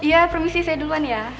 iya permisi saya duluan ya